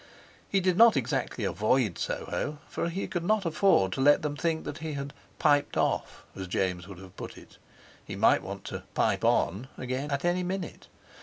He did not exactly avoid Soho, for he could not afford to let them think that he had "piped off," as James would have put it—he might want to "pipe on" again at any minute.